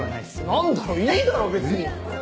何だよいいだろ別に。